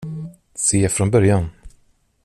Se från början.